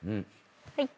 はい。